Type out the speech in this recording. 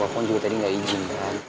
akun juga tadi gak izin kan